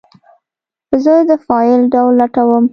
زه د فایل ډول لټوم.